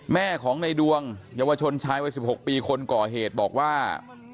แม่ของในดวงเยาวชนชายวัย๑๖ปีคนก่อเหตุบอกว่า